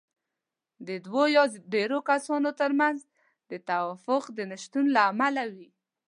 د دوو يا ډېرو کسانو ترمنځ د توافق د نشتون له امله وي.